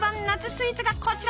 スイーツがこちら。